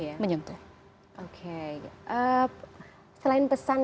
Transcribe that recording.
selain pesan terhadap teman teman jurnalis kemudian juga